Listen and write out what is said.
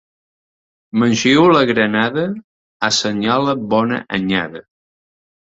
Manxiula granada assenyala bona anyada.